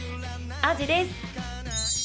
アジです